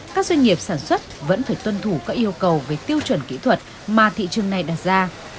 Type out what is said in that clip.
các doanh nghiệp sản xuất vẫn phải tuân thủ các yêu cầu về tiêu chuẩn kỹ thuật mà thị trường này đặt ra